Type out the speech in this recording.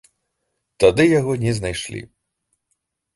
Тады яго не знайшлі.